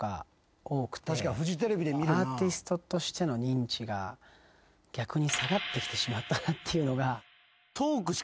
アーティストとしての認知が逆に下がってきてしまったなっていうのが。